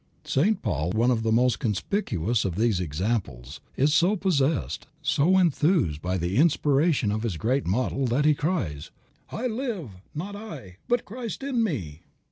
St. Paul, one of the most conspicuous of these examples, is so possessed, so enthused by the inspiration of his great model, that he cries, "I live, not I, but Christ in me."